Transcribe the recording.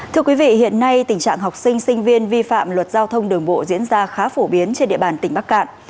thưa quý vị hiện nay tình trạng học sinh sinh viên vi phạm luật giao thông đường bộ diễn ra khá phổ biến trên địa bàn tỉnh bắc cạn